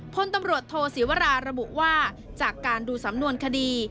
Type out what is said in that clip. พลตำรวจโทศิวราระบุว่าจากการดูสำนวนคดี